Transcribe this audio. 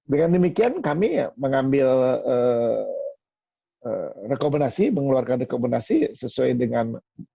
dengan demikian kami mengambil rekomendasi mengeluarkan rekomendasi sesuai dengan